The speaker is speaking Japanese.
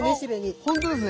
あっほんとですね。